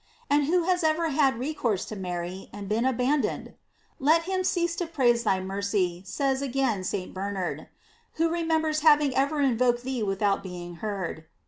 And who has ever had recourse to Mary and been abandoned ? Let him cease to praise thy mercy, says again St. Bernard, who remembera having ever invoked thee without being heard.